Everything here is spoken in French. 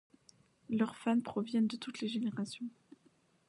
Leurs fans proviennent de toutes les générations.